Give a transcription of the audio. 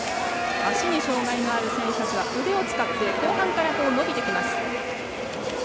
足に障がいのある選手たちは腕を使って後半から伸びてきます。